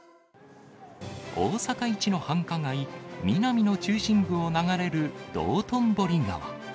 大阪一の繁華街、ミナミの中心部を流れる道頓堀川。